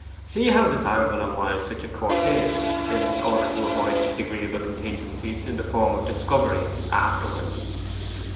See how desirable and wise such a course is, in order to avoid disagreeable contingencies in the form of discoveries afterwards.